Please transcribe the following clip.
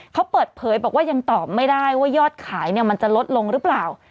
เขาเปิดเผยบอกว่ายังตอบไม่ได้ว่ายอดขายมันจะลดลงหรือเปล่า